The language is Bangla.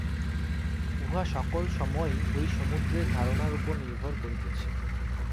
উহা সকল সময়েই ঐ সমুদ্রের ধারণার উপর নির্ভর করিতেছে।